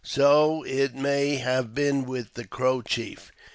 So it may have been with the Crow chief.